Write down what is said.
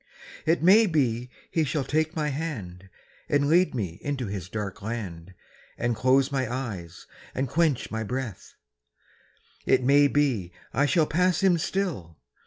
It may be he shall take my hand And lead me into his dark land And close my eyes and quench my breath It may be I shall pass him still.